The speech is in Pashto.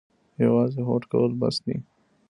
یوازې هوډ کول بس دي؟